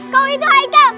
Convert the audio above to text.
kau itu haikal